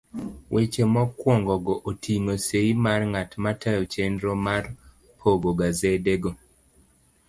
Weche mokwongogo oting'o sei mar ng'at matayo chenro mar pogo gasedego.